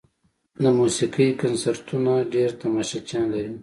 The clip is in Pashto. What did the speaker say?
د موسیقۍ کنسرتونه ډېر تماشچیان لري.